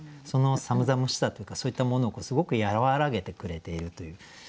その寒々しさというかそういったものをすごく和らげてくれているという。